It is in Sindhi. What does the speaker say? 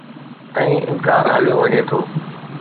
۽ انڪار هليو وڃي ٿو